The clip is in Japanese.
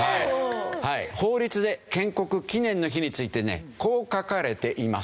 法律で建国記念の日についてねこう書かれています。